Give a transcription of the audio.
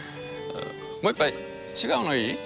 もう一杯違うのいい？